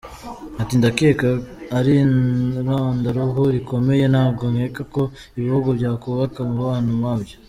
Ati “Ndakeka ari irondaruhu rikomeye ntabwo nkeka ko ibihugu byakubaka umubano wabyo.